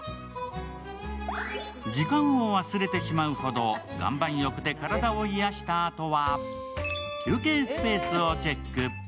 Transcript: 時間を忘れてしまうほど、岩盤浴で体を癒やしたあとは、休憩スペースをチェック。